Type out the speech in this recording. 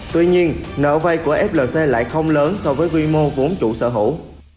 tuy nhiên nợ vay của flc lại không lớn so với quy mô vốn chủ sở hữu